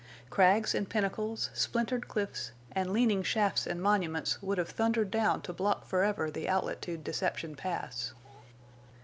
Crags and pinnacles, splintered cliffs, and leaning shafts and monuments, would have thundered down to block forever the outlet to Deception Pass.